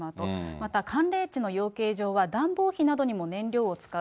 また寒冷地の養鶏場は暖房費などにも燃料を使う。